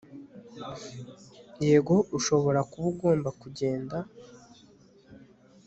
yego ushobora kuba ugomba kugenda